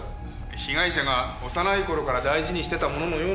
被害者が幼い頃から大事にしてたもののようなんですよ。